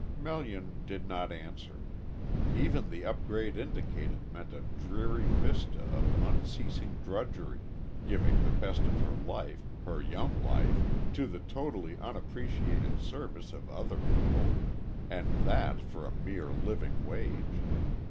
Melian did not answer. Even the up grade indicated meant a dreary vista of unceasing drudgery, giving the best of her life her young life to the totally unappreciated service of other people, and that for a mere living wage.